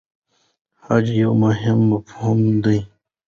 خج یو مهم مفهوم دی.